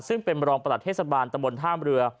ซึ่งเป็นรองประหลัดเทศบาลตะบนท่ามเรือ